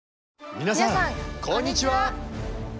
皆さんこんにちは！